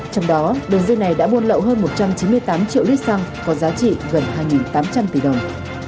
trong đó đường dây này đã buôn lậu hơn một trăm chín mươi tám triệu lít xăng có giá trị gần hai tám trăm linh tỷ đồng